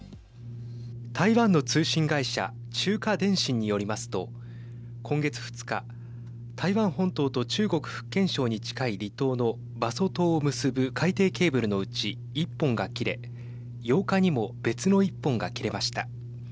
台湾の通信会社中華電信によりますと今月２日台湾本島と中国福建省に近い離島の馬祖島を結ぶ海底ケーブルのうち１本が切れ８日にも別の１本が切れました。